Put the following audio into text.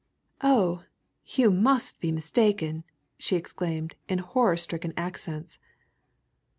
"Oh, you must be mistaken!" she exclaimed in horror stricken accents.